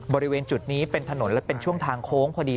บริเวณจุดนี้เป็นถนนและเป็นช่วงทางโค้งพอดี